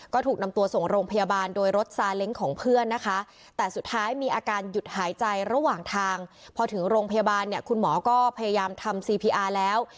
ก็ถูกนำตัวส่งโรงพยาบาลโดยรถซาเล็งของเพื่อนนะคะ